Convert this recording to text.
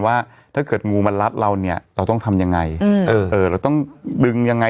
ว่าถ้าเกิดงูมันรัดเราเนี่ยเราต้องทำยังไงเราต้องดึงยังไง